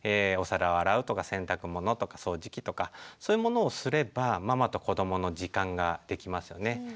お皿を洗うとか洗濯物とか掃除機とかそういうものをすればママと子どもの時間ができますよね。